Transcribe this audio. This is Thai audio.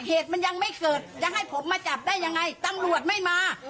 เหตุมันยังไม่เกิดจะให้ผมมาจับได้ยังไงตำรวจไม่มา